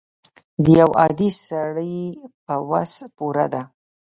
د یو عادي سړي په وس پوره ده.